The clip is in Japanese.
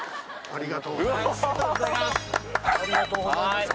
ありがとうございます。